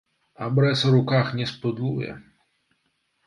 Абрэз у руках не спудлуе.